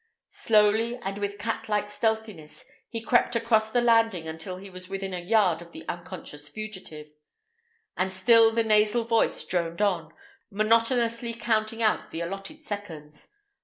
Slowly and with cat like stealthiness, he crept across the landing until he was within a yard of the unconscious fugitive, and still the nasal voice droned on, monotonously counting out the allotted seconds.